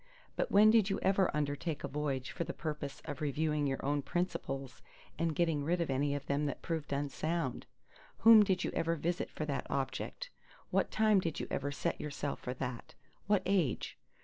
But when did you ever undertake a voyage for the purpose of reviewing your own principles and getting rid of any of them that proved unsound? Whom did you ever visit for that object? What time did you ever set yourself for that? What age?